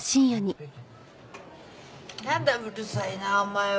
うるさいなお前は。